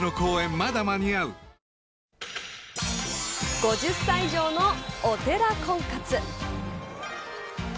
５０歳以上のお寺婚活。